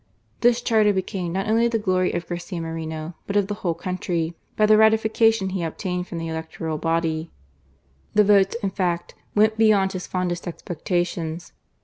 This charter became not only the glory of Garcia Moreno, but of the whole country, by the ratifica THE ASSASSIN CORNEJO, 217 tion he obtained from the electoral body. The votes, in fact, went beyond his fondest expectations.